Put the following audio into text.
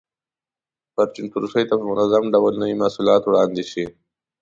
پرچون فروشۍ ته په منظم ډول نوي محصولات وړاندې شي.